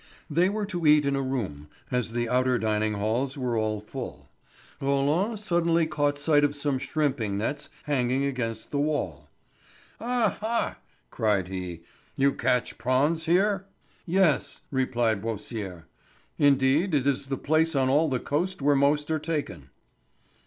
They were to eat in a room, as the outer dining halls were all full. Roland suddenly caught sight of some shrimping nets hanging against the wall. "Ah! ha!" cried he, "you catch prawns here?" "Yes," replied Beausire. "Indeed it is the place on all the coast where most are taken."